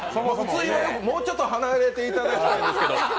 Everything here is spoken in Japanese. もうちょっと離れていただきたいんですけど。